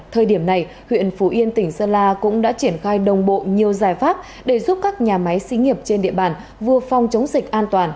thời điểm này huyện phú yên tỉnh sơn la cũng đã triển khai đồng bộ nhiều giải pháp để giúp các nhà máy xí nghiệp trên địa bàn vừa phòng chống dịch an toàn